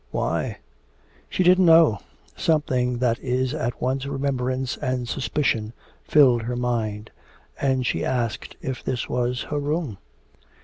Why? She didn't know; something that is at once remembrance and suspicion filled her mind, and she asked if this was her room?